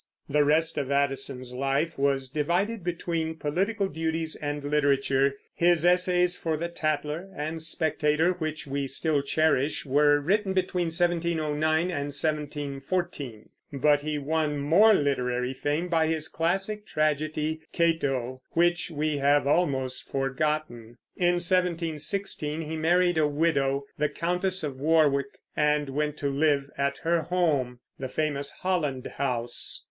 The rest of Addison's life was divided between political duties and literature. His essays for the Tatler and Spectator, which we still cherish, were written between 1709 and 1714; but he won more literary fame by his classic tragedy Cato, which we have almost forgotten. In 1716 he married a widow, the Countess of Warwick, and went to live at her home, the famous Holland House.